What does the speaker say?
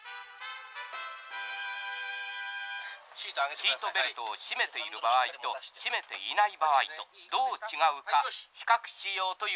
「シートベルトを締めている場合と締めていない場合とどう違うか比較しようというわけだ」。